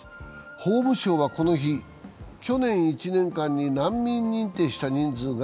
法務省はこの日、去年１年間に難民認定した人数が